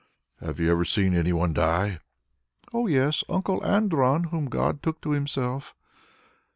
"Have you never seen any one die?" "Oh yes, Uncle Andron, whom God took to Himself."